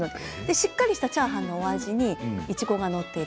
しっかりしたチャーハンの味にいちごが載っている。